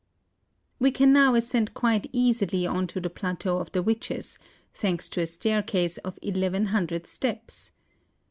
We can now ascend quite easily on to the Plateau of the Witches, thanks to a staircase of eleven hundred steps.